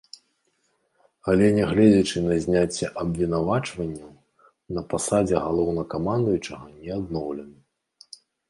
Але нягледзячы на зняцце абвінавачванняў, на пасадзе галоўнакамандуючага не адноўлены.